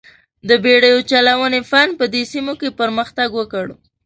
د بېړیو چلونې فن په دې سیمو کې پرمختګ وکړ.